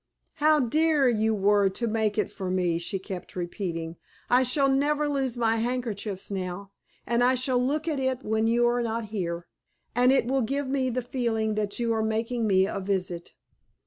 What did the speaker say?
"How dear you were to make it for me!" she kept repeating. "I shall never lose my handkerchiefs now. And I shall look at it when you are not here, and it will give me the feeling that you are making me a visit."